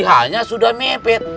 hanya sudah mepet